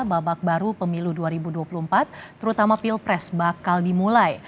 babak baru pemilu dua ribu dua puluh empat terutama pilpres bakal dimulai